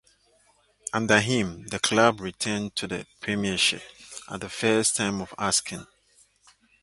Under him the club returned to the Premiership at the first time of asking.